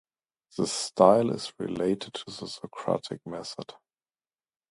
The style is related to the Socratic method.